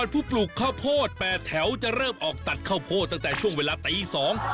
ผู้ปลูกข้าวโพดแปดแถวจะเริ่มออกตัดข้าวโพดตั้งแต่ช่วงเวลาตีสอง